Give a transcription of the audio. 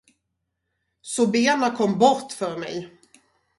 Så bena kom bort för mig.